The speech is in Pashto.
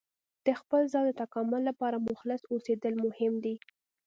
د خپل ځان د تکامل لپاره مخلص اوسیدل مهم دي.